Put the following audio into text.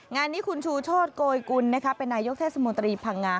งานนี้คุณชูโชธโกยกุลเป็นนายกเทศมนตรีพังงา